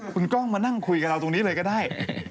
คุณกล้องมานั่งคุยกับเราตรงนี้เลยก็ได้